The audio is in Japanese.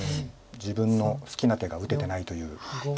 自分の好きな手が打ててないという。